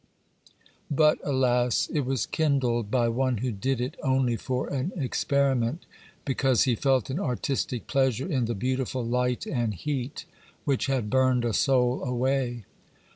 But, alas! it was kindled by one who did it only for an experiment; because he felt an artistic pleasure in the beautiful light and heat which had burned a soul away.